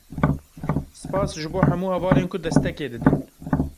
Spas ji bo hemû hevalên ku destekê didin.